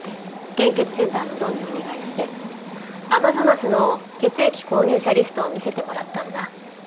献血センターのドンにお願いしてアマゾナスの血液購入者リストを見せてもらったんだ。